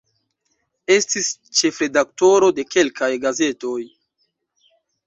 Estis ĉefredaktoro de kelkaj gazetoj.